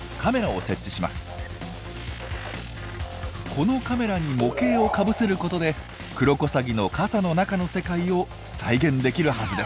このカメラに模型をかぶせることでクロコサギの傘の中の世界を再現できるはずです。